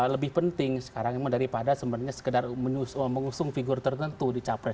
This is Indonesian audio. lebih penting sekarang daripada sebenarnya sekedar mengusung figur tertentu di capres